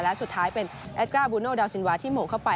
และสุดท้ายเป็นแอดก้าบูโนดาวซินวาที่หมกเข้าไป